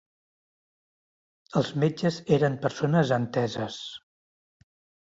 Els metges eren persones enteses